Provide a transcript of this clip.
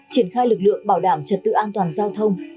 triển khai lực lượng bảo đảm trật tự an toàn giao thông